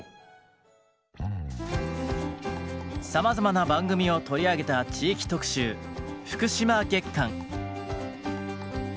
さまざまな番組を取り上げた地域特集福島月間。